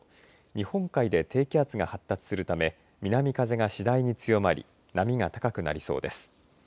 日本海で低気圧が発達するため南風が次第に強まり波が高くなりそうです。